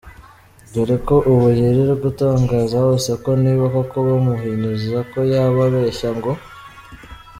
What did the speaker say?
dore ko ubu yirirwa atangaza hose ko niba koko bamuhinyuza ko yaba abeshya, ngo.